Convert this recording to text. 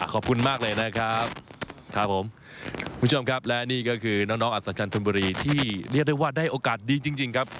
ขอบคุณมากเลยนะครับครับผมคุณผู้ชมครับและนี่ก็คือน้องน้องอัศชันธนบุรีที่เรียกได้ว่าได้โอกาสดีจริงครับ